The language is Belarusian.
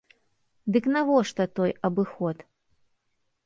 Дык навошта той абыход?